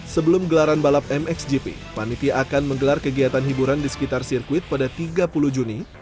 sebelum gelaran balap mxgp panitia akan menggelar kegiatan hiburan di sekitar sirkuit pada tiga puluh juni